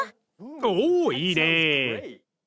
おいいね！